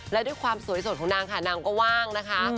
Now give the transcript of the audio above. และด้วยความสวยสดของนางค่ะนางก็ว่างนะคะ